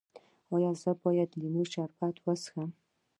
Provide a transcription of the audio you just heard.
ایا زه باید د لیمو شربت وڅښم؟